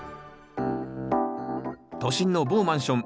都心の某マンション